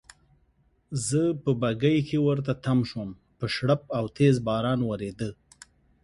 زه په بګۍ کې ورته تم شوم، په شړپ او تېز باران وریده.